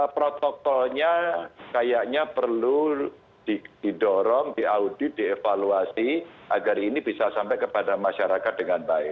protokolnya kayaknya perlu didorong diaudit dievaluasi agar ini bisa sampai kepada masyarakat dengan baik